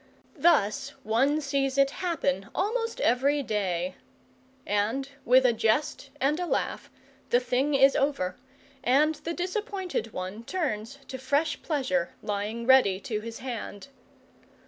Thus one sees it happen almost every day, and, with a jest and a laugh, the thing is over, and the disappointed one turns to fresh pleasure, lying ready to his hand.